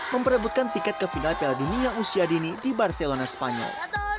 memperebutkan tiket ke final piala dunia usia dini di barcelona spanyol